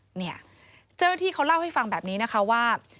เจ้าหน้าที่เขาเล่าให้ฟังแบบนี้นะคะว่า